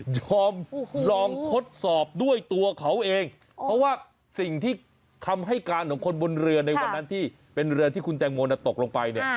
ลองลองทดสอบด้วยตัวเขาเองเพราะว่าสิ่งที่คำให้การของคนบนเรือในวันนั้นที่เป็นเรือที่คุณแตงโมตกลงไปเนี่ย